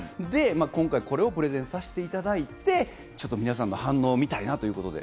今回、これをプレゼンさせていただいて、ちょっと皆さんの反応を見たいなということで。